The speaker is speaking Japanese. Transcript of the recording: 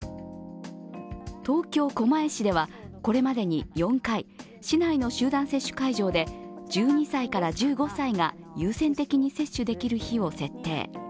東京・狛江市ではこれまでに４回市内の集団接種会場で１２歳から１５歳が優先的に接種できる日を設定。